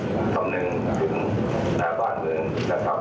ทำหนึ่งถึงหน้าบ้านเมืองนะครับ